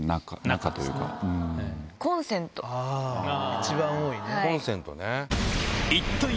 一番多いね。